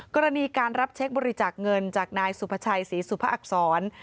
กรณีการรับเช็คบริจาคเงินจากนายสุภาชัยศรีสุภอักษร